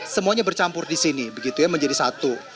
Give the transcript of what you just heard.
semuanya bercampur di sini menjadi satu